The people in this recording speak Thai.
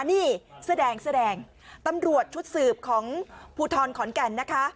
นี่แสดงตำรวจชุดสืบของผู้ทอนขอนแก่นนะคะ